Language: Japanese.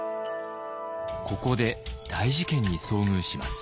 ここで大事件に遭遇します。